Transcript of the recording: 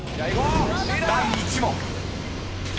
［第１問］